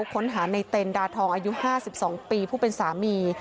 ค้นหาในเต็นดาทองอายุ๕๒ปีผู้เป็นสามี